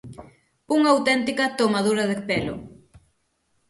Unha auténtica tomadura de pelo.